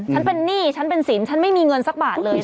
ฉันเป็นหนี้ฉันเป็นสินฉันไม่มีเงินสักบาทเลย